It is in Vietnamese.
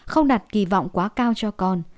không đặt kỳ vọng quá cao cho con